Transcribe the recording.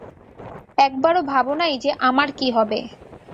একবারো ভাবো নাই যে আমার কী হবে।